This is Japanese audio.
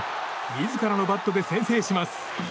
自らのバットで先制します。